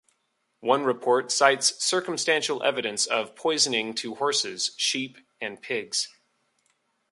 One report cites circumstantial evidence of poisoning to horses, sheep and pigs.